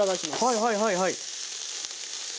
はいはいはいはい。